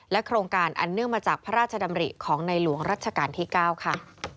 โครงการอันเนื่องมาจากพระราชดำริของในหลวงรัชกาลที่๙ค่ะ